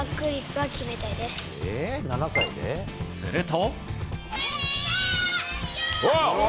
すると。